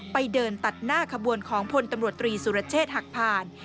ไปเดินตัดหน้าขบวนของพลตำรวจตรีสุรเชษฐ์หักผ่าน